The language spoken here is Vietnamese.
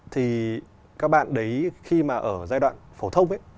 thì các bạn đấy khi mà ở giai đoạn phổ thông ấy